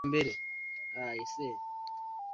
Acha waseme nasoma, ingawa nyumbani ni dhiki.